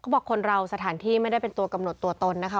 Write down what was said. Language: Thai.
บอกคนเราสถานที่ไม่ได้เป็นตัวกำหนดตัวตนนะคะ